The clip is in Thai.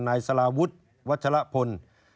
นายสลาวุฒิวัชละพล